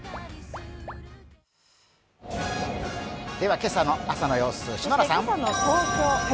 今朝の朝の様子、篠原さん。